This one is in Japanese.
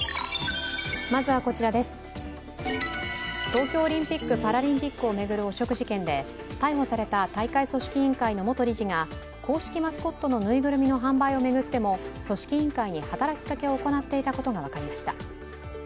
東京オリンピック・パラリンピックを巡る汚職事件で逮捕された大会組織委員会の元理事が公式マスコットのぬいぐるみの販売を巡っても組織委員会に働きかけを行っていたことが分かりました。